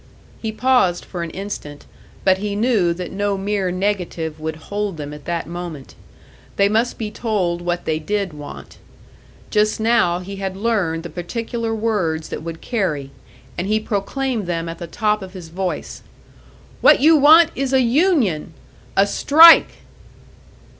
He paused for an instant; but he knew that no mere negative would hold them at that moment. They must be told what they did want. Just now he had learned the particular words that would carry, and he proclaimed them at the top of his voice: "What you want is a union! A _strike!